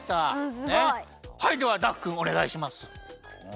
はいではダクくんおねがいします！